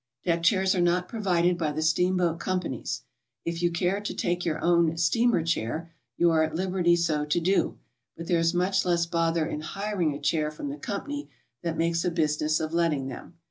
Deck chairs are not provided by the steamboat com panies. If you care to take your own "steamer chair," you are at liberty so to do, but there is much less bother in hiring a chair from the company that makes a business of letting them.